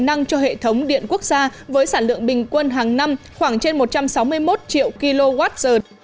năng cho hệ thống điện quốc gia với sản lượng bình quân hàng năm khoảng trên một trăm sáu mươi một triệu kwh